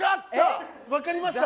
わかりました？